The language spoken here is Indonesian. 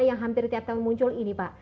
yang hampir tiap tahun muncul ini pak